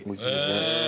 へえ。